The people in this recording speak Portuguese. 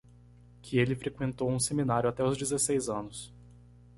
Que ele frequentou um seminário até os dezesseis anos.